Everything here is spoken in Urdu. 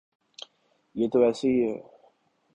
یہ تو ایسے ہی ہے۔